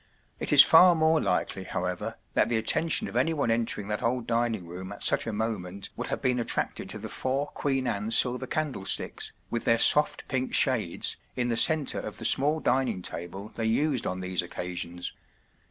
It is far more likely, however, that the attention of anyone entering that old dining¬ room at such a moment would have been attracted to the four Queen Anne silver candlesticks, with their soft pink shades, in the centre of the small dining table they used on these occasions.